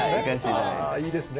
いいですね。